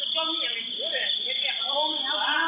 ลองลองอ้วยเอ่ย